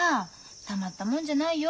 たまったもんじゃないよ